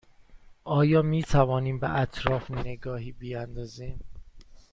آیا می توانیم به اطراف نگاهی بیاندازیم؟